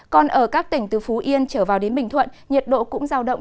còn ở các tỉnh từ phú yên trở vào đến bình thuận nhiệt độ cũng giao động